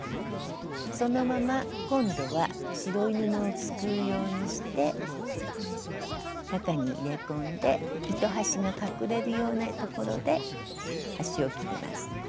そのまま今度は白い布をすくうようにして中に入れ込んで糸端が隠れるようなところで端を切ります。